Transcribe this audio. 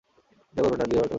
চিন্তা করবেন না, ডিয়ার অটো।